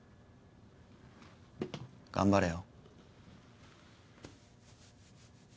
頑張れよ。